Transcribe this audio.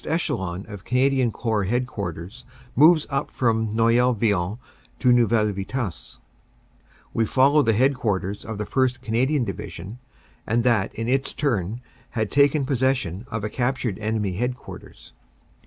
Echelon of Canadian Corps Head quarters moves up from Noyelle Vion to Neuville Vitasse. We follow the headquarters of the 1st. Canadian Division, and that in its turn had taken possession of a captured enemy headquarters.